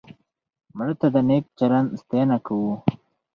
مړه ته د نیک چلند ستاینه کوو